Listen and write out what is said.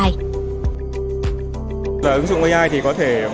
ứng dụng ai có thể dễ dàng